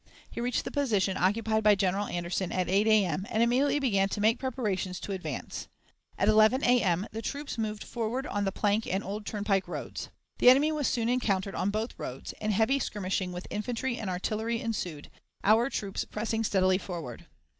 He reached the position occupied by General Anderson at 8 A.M., and immediately began to make preparations to advance. At 11 A.M. the troops moved forward on the plank and old turnpike roads. The enemy was soon encountered on both roads, and heavy skirmishing with infantry and artillery ensued, our troops pressing steadily forward.